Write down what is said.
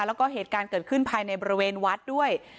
แล้วก็เหตุการณ์เกิดขึ้นภายในบริเวณวัดด้วย